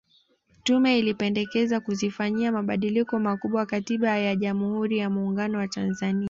Tume ilipendekeza kuzifanyia mabadiliko makubwa Katiba ya Jamhuri ya Muungano wa Tanzania